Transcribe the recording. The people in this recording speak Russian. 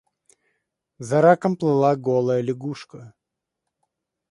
За раком плыла голая лягушка.